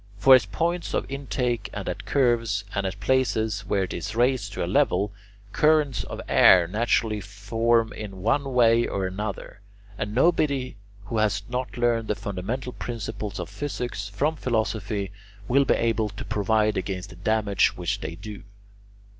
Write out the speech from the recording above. For at points of intake and at curves, and at places where it is raised to a level, currents of air naturally form in one way or another; and nobody who has not learned the fundamental principles of physics from philosophy will be able to provide against the damage which they do.